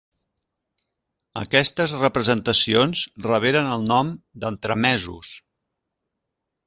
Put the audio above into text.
Aquestes representacions reberen el nom d'entremesos.